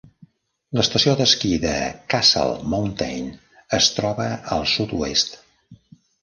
L'estació d'esquí de Castle Mountain es troba al sud-oest.